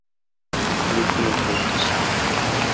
کلیپونه پورته سوه